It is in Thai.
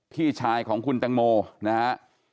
พี่ชายของคุณแตงโมนะฮะ